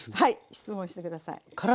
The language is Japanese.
質問してください。